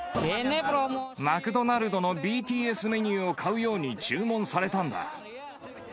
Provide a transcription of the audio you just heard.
マクドナルドのＢＴＳメニューを買うように注文されたんだ。